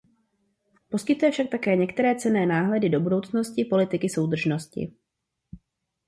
Poskytuje však také některé cenné náhledy do budoucnosti politiky soudržnosti.